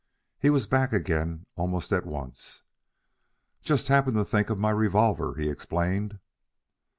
He was back again almost at once. "Just happened to think of my revolver," he explained.